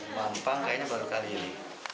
mampang kayaknya baru kali ini